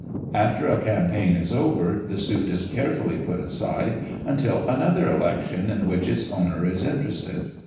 After a campaign is over, the suit is carefully put aside until another election in which its owner is interested.